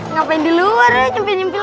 ngapain di luar ya nyempil nyempil